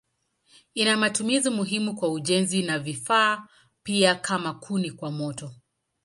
Ina matumizi muhimu kwa ujenzi na vifaa pia kama kuni kwa moto.